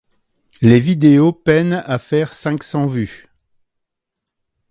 Les vidéos peinent à faire cinq cents vues.